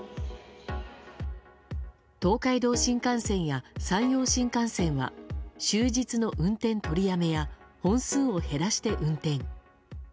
東海道新幹線や山陽新幹線は終日の運転取りやめや本数を減らして運転。